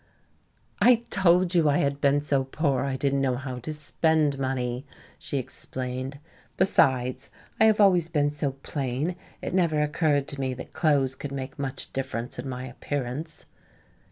"I told you I had been so poor I didn't know how to spend money," she explained. "Besides, I have always been so plain it never occurred to me that clothes could make much difference in my appearance."